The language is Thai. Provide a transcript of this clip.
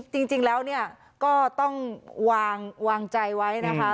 จริงแล้วเนี่ยก็ต้องวางใจไว้นะคะ